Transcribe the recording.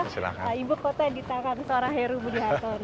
seperti apa ibu kota yang ditangani seorang heru budihani